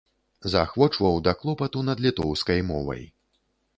Заахвочваў да клопату над літоўскай мовай.